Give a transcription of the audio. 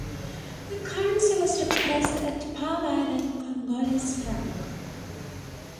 The currency was replaced at par by the Congolese franc.